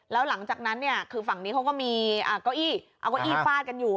แล้วหลังจากนั้นคือฝั่งนี้เขาก็มีเก้าอี้ฝาดกันอยู่